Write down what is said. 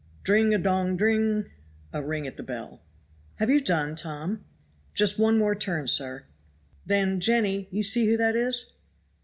"Dring a dong dring" (a ring at the bell). "Have you done, Tom?" "Just one more turn, sir." "Then, Jenny, you see who that is?"